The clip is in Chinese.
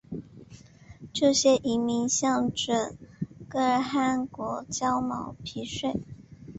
这些遗民向准噶尔汗国交毛皮税。